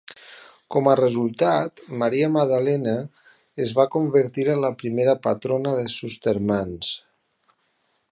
Com a resultat, Maria Maddalena es va convertir en la primera patrona de Sustermans.